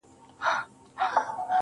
• اوښکي دي پر مځکه درته ناڅي ولي.